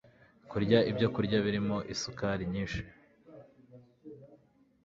kurya ibyo kurya birimo isukari nyinshi